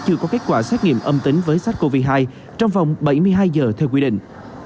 chưa có kết quả xét nghiệm âm tính với sars cov hai trong vòng bảy mươi hai giờ theo quy định